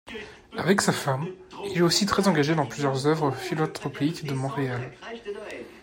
Avec sa femme, il est aussi très engagé dans plusieurs œuvres philanthropiques de Montréal.